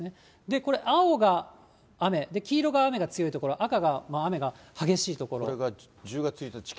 これ、青が雨、黄色が雨が強い所、赤が雨が激しい所。